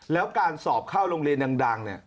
แล้วการสอบเข้าโรงเรียนดังเนี่ย